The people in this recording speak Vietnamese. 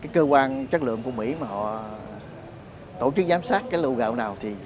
cơ quan chất lượng của mỹ tổ chức giám sát lô gạo nào